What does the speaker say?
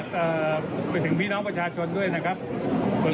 ก็คิดว่ายังมีปัญหาใหม่ที่ไม่ครบดี